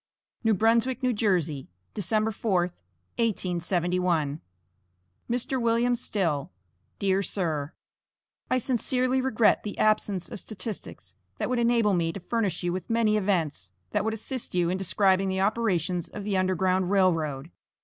NEW BRUNSWICK, N.J., December 4, 1871. MR. WILLIAM STILL, DEAR SIR: I sincerely regret the absence of statistics that would enable me to furnish you with many events, that would assist you in describing the operations of the Underground Rail Road.